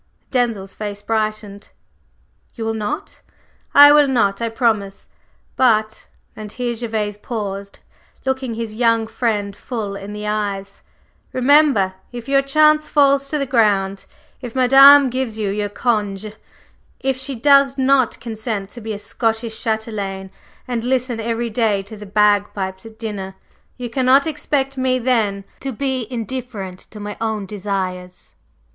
Denzil's face brightened. "You will not?" "I will not I promise! But" and here Gervase paused, looking his young friend full in the eyes, "remember, if your chance falls to the ground if Madame gives you your congé if she does not consent to be a Scottish châtelaine and listen every day to the bagpipes at dinner, you cannot expect me then to be indifferent to my own desires.